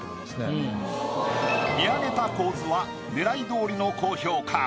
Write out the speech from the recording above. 見上げた構図は狙いどおりの高評価。